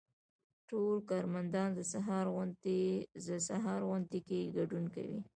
ټول کارمندان د سهار غونډې کې ګډون کوي.